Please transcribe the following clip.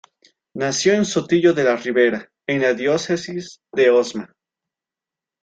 Nació en Sotillo de la Ribera, en la diócesis de Osma.